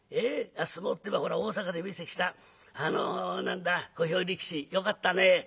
相撲っていえばほら大坂で見てきたあの何だ小兵力士よかったね。